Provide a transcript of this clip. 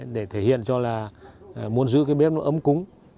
để thể hiện cho là muốn giữ cái bếp nó ấm cúng